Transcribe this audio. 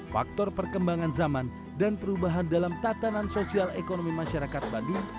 faktor perkembangan zaman dan perubahan dalam tatanan sosial ekonomi masyarakat bandung